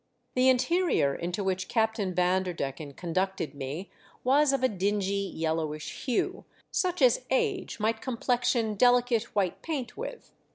The in terior into which Captain Vanderdecken con ducted me, was of a dingy yellowish hue, such as age might complexion delicate white paint with.